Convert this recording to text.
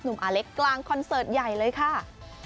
อาเล็กกลางคอนเสิร์ตใหญ่เลยค่ะ